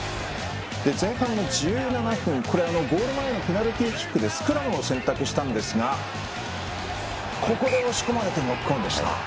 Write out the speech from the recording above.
前半１７分、ゴール前のペナルティキックでスクラムを選択したんですが押し込まれてノックオンでした。